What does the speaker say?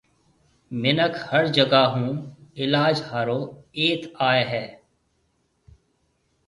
منک ھر جگھہ کان علاج لائيَ ھتيَ اچن ٿا